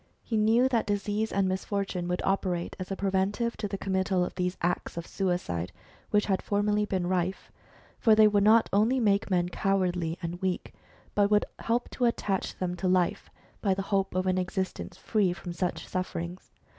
He knew that disease and misfortune would operate as a preventive to the committal of those acts of suicide which had formerly been rife ; for they would not only make men cowardly and weak, but would help to attach them to life by the hope of an existence free from such sufferins^s.